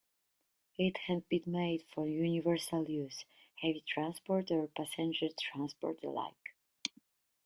It had been made for universal use: heavy transport or passenger transport alike.